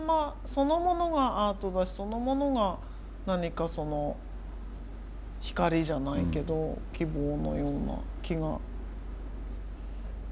そのものがアートだしそのものが何かその光じゃないけど希望のような気が。